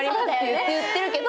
って言ってるけど。